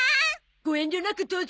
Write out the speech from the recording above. ご遠慮なくどうぞ。